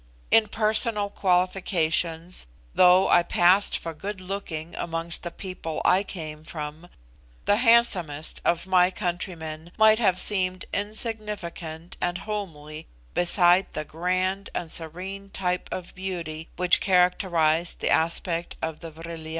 In personal qualifications, though I passed for good looking amongst the people I came from, the handsomest of my countrymen might have seemed insignificant and homely beside the grand and serene type of beauty which characterised the aspect of the Vril ya.